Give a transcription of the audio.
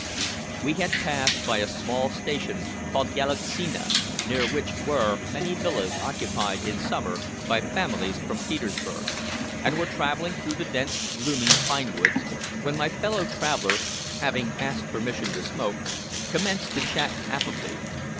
We had passed by a small station called Galitsina, near which were many villas occupied in summer by families from Petersburg, and were traveling through the dense gloomy pine woods, when my fellow traveler, having asked permission to smoke, commenced to chat affably.